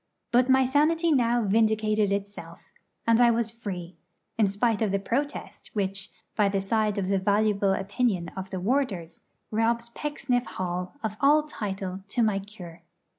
But my sanity now vindicated itself, and I was free, in spite of the protest which, by the side of the valuable opinion of the warders, robs Pecksniff Hall of all title to my 'cure.'